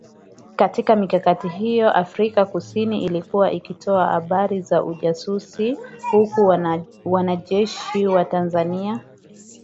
Katika mikakati hiyo Afrika kusini ilikuwa ikitoa habari za ujasusi huku wanajeshi wa Tanzania